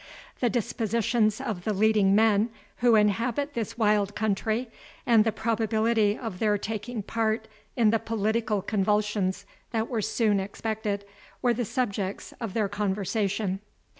The dispositions of the leading men who inhabit this wild country, and the probability of their taking part in the political convulsions that were soon expected, were the subjects of their conversation.